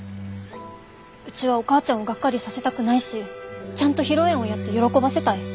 うちはお母ちゃんをがっかりさせたくないしちゃんと披露宴をやって喜ばせたい。